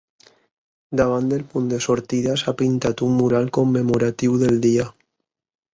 Davant del punt de sortida s’ha pintat un mural commemoratiu del dia.